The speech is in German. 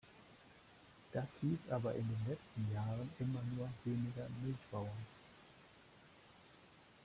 Das hieß aber in den letzten Jahren immer nur weniger Milchbauern.